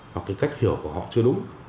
hoặc cái cách hiểu của họ chưa đúng